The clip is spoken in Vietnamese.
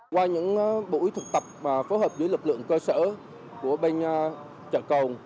qua những buổi thực tập phối hợp với lực lượng cơ sở của bên chợ côn